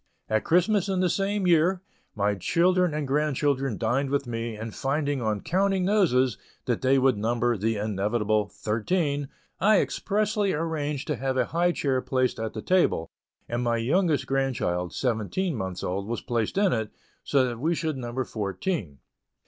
At Christmas, in the same year, my children and grandchildren dined with me, and finding on "counting noses," that they would number the inevitable thirteen, I expressly arranged to have a high chair placed at the table, and my youngest grandchild, seventeen months old, was placed in it, so that we should number fourteen.